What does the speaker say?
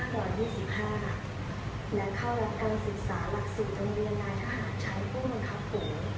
และเข้ารับการศึกษาหลักศูนย์โรงเรียนราชหาดใช้ผู้บังคับภูมิ